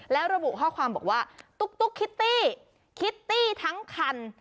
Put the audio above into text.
แล้วระบุข้อความบอกว่าตุ๊กคิตตี้คิตตี้ทั้งคัน